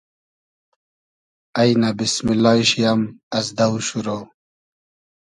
اݷنۂ بیسمیللای شی ام از دۆ شورۆ